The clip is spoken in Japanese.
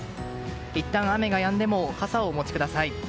いったん雨がやんでも傘をお持ちください。